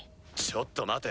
ちょっと待て。